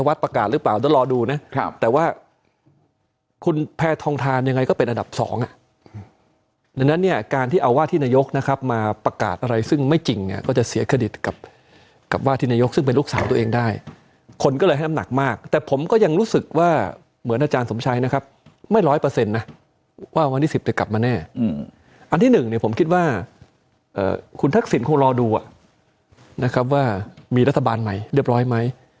ภาคภาคภาคภาคภาคภาคภาคภาคภาคภาคภาคภาคภาคภาคภาคภาคภาคภาคภาคภาคภาคภาคภาคภาคภาคภาคภาคภาคภาคภาคภาคภาคภาคภาคภาคภาคภาคภาคภาคภาคภาคภาคภาคภาคภาคภาคภาคภาคภาคภาคภาคภาคภาคภาคภาค